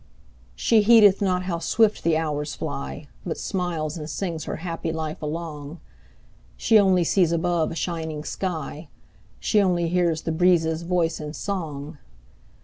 She heedeth not how swift the hours fly, But smiles and sings her happy life along; She only sees above a shining sky; She only hears the breezes' voice in song.